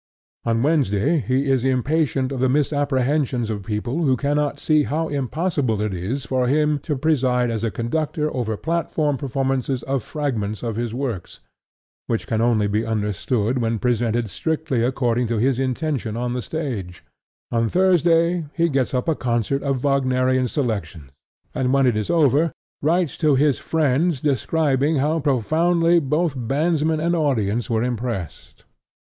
On Wednesday he is impatient of the misapprehensions of people who cannot see how impossible it is for him to preside as a conductor over platform performances of fragments of his works, which can only be understood when presented strictly according to his intention on the stage: on Thursday he gets up a concert of Wagnerian selections, and when it is over writes to his friends describing how profoundly both bandsmen and audience were impressed.